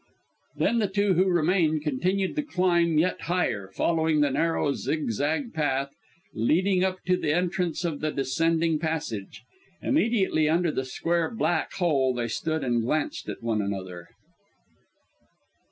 Then the two who remained continued the climb yet higher, following the narrow, zigzag path leading up to the entrance of the descending passage. Immediately under the square black hole they stood and glanced at one another.